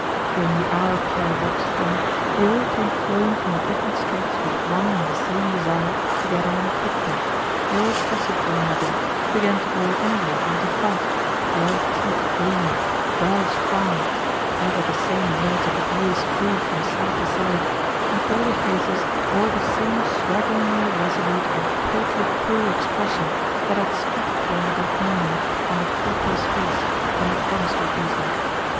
During the hour Pierre watched them they all came flowing from the different streets with one and the same desire to get on quickly; they all jostled one another, began to grow angry and to fight, white teeth gleamed, brows frowned, ever the same words of abuse flew from side to side, and all the faces bore the same swaggeringly resolute and coldly cruel expression that had struck Pierre that morning on the corporal's face when the drums were beating.